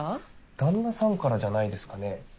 旦那さんからじゃないですかね？